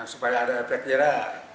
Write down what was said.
supaya ada efek kira